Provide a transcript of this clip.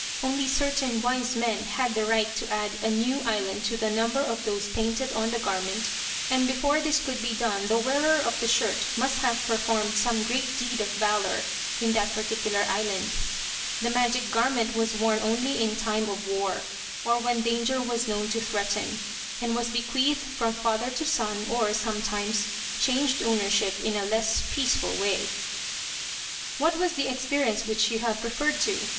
Only certain "wise men" had the right to add a new island to the number of those painted on the garment, and before this could be done the wearer of the shirt must have performed some great deed of valour in that particular island. The magic garment was worn only in time of war, or when danger was known to threaten, and was bequeathed from father to son, or, sometimes, changed ownership in a less peaceful way. "What was the experience which you have referred to?"